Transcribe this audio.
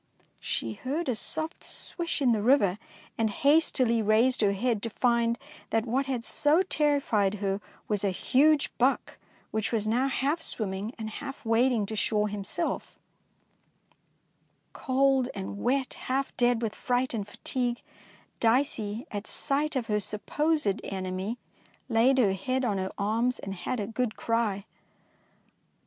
She heard a soft swish in the river, and hastily raised her head to find that what had so terrified her was a huge buck, which was now half swimming and half wading to shore himself. 253 DEEDS OF DAEING Cold and wet, half dead with fright and fatigue, Dicey, at sight of her supposed enemy, laid her head on her arms and had a good cry.